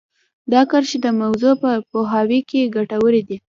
دا کرښې د موضوع په پوهاوي کې ګټورې دي